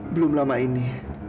belum lama ini